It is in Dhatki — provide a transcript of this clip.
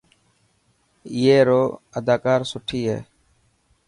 اي رو اداڪار سٺي هي.